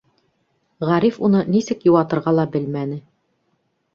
Ғариф уны нисек йыуатырға ла белмәне.